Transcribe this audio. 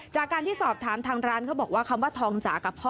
จากการที่สอบถามทางร้านเขาบอกว่าคำว่าทองจากับพ่อ